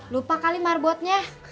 lupa kali marbotnya